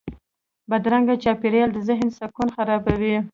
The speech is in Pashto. بدرنګه چاپېریال د ذهن سکون خرابوي